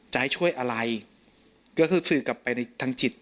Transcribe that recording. จะให้ช่วยอะไรก็คือสื่อกลับไปในทางจิต